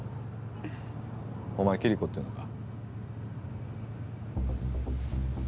お前キリコっていうのか？